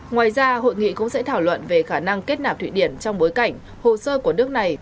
ngoài ra hội nghị cũng sẽ thảo luận về khả năng kết nạp thụy điển trong bối cảnh hồ sơ của nước này